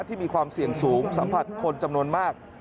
ที่มีความเสี่ยงสูงสัมผัสคนจำนวนมาก